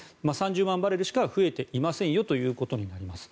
３０万バレルしか増えていませんよということになります。